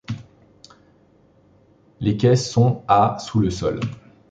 Les quais sont à sous le sol.